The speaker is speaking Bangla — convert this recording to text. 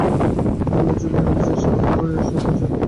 ছেলেমেয়ে চলিয়া গেলে জিনিসটা বাহির করিয়া সর্বজয়া ভালো করিয়া দেখিতে লাগিল।